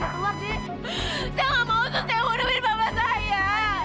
saya nggak mau tuh saya mau diberi bapak saya